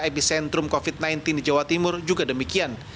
epicentrum covid sembilan belas di jawa timur juga demikian